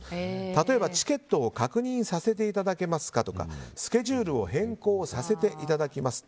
例えばチケットを確認させていただけますかスケジュールを変更させていただきます。